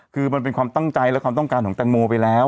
คือมันเป็นความตั้งใจและความต้องการของแตงโมไปแล้ว